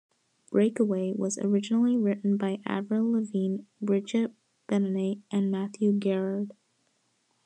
"Breakaway" was originally written by Avril Lavigne, Bridget Benenate and Matthew Gerrard.